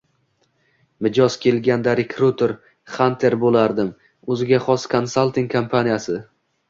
Mijoz kelganda rekruter, xanter boʻlardim, oʻziga xos konsalting kompaniyasi.